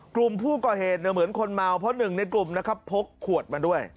กลุ่มผู้ก่อเหตุเหมือนคนเมาเพราะ๑ในกลุ่มพกขวดมาด้วย